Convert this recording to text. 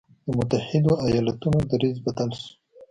د متحدو ایالتونو دریځ بدل شو.